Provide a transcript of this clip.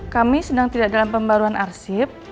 kami sedang tidak dalam pembaruan arsip